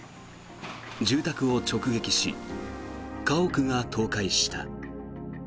住宅を直撃し家屋が倒壊した。